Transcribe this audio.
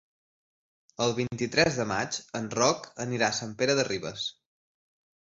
El vint-i-tres de maig en Roc anirà a Sant Pere de Ribes.